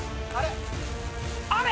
あれ！